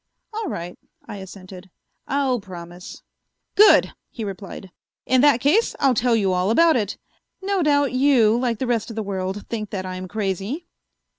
"All right," I assented, "I'll promise." "Good!" he replied. "In that case, I'll tell you all about it. No doubt you, like the rest of the world, think that I'm crazy?"